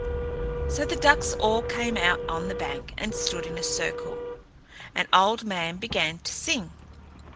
So the ducks all came out on the bank and stood in a circle, and Old Man began to sing.